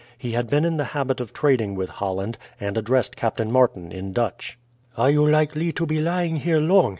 He had been in the habit of trading with Holland, and addressed Captain Martin in Dutch. "Are you likely to be lying here long?"